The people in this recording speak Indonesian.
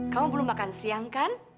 kamu belum makan siang kan